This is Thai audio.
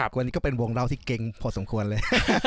ควรมีก็เป็นวงเล่าที่เกงผลสมควรเลย